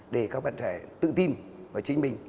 để các bạn trẻ tự tin vào chính mình